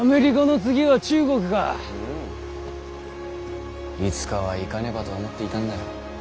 いつかは行かねばと思っていたんだ。